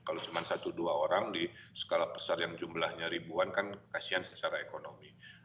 kalau cuma satu dua orang di skala besar yang jumlahnya ribuan kan kasihan secara ekonomi